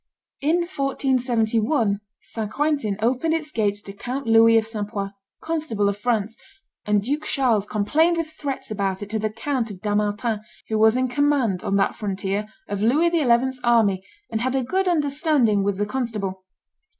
In 1471 St. Quentin opened its gates to Count Louis of St. Poi, constable of France; and Duke Charles complained with threats about it to the Count of Dampmartin, who was in commend, on that frontier, of Louis XI.'s army, and had a good understanding with the constable.